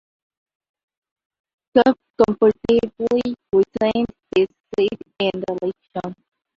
Cobb comfortably retained his seat in the election.